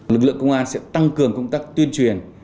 lực lượng công an sẽ tăng cường công tác tuyên truyền